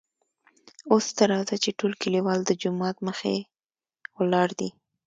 اوس ته راځه چې ټول کليوال دجومات مخکې ولاړ دي .